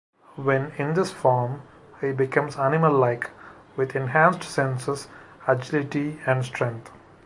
When in this form, he becomes animal-like, with enhanced senses, agility, and strength.